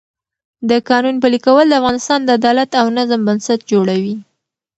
د قانون پلي کول د افغانستان د عدالت او نظم بنسټ جوړوي